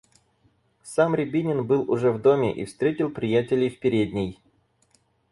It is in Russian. Сам Рябинин был уже в доме и встретил приятелей в передней.